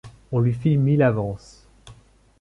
On lui fit mille avances.